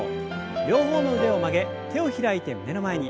両方の腕を曲げ手を開いて胸の前に。